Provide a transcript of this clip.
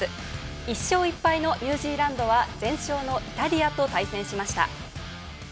１勝１敗のニュージーランドは全勝のイタリアと対戦しました。